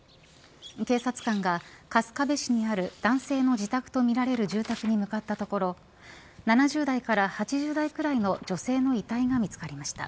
警察官が、春日部市にある男性の自宅とみられる住宅に向かったところ７０代から８０代ぐらいの女性の遺体が見つかりました。